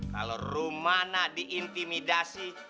kalau rum mana diintimidasi